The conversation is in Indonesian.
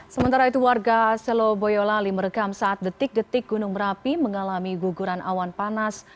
sementara itu warga selo boyolali merekam saat detik detik gunung merapi mengalami guguran awan panas